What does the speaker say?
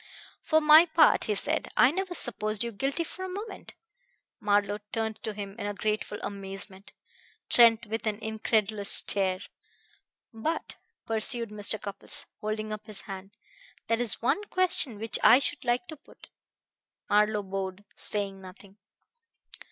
"For my part," he said, "I never supposed you guilty for a moment." Marlowe turned to him in grateful amazement, Trent with an incredulous stare. "But," pursued Mr. Cupples, holding up his hand, "there is one question which I should like to put." Marlowe bowed, saying nothing.